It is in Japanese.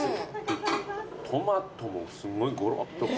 トマトもすごいゴロッと。